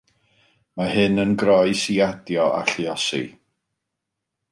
Mae hyn yn groes i adio a lluosi.